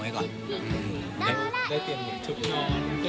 มันก็จะมีข้าวโหม๒ถูกนะคะ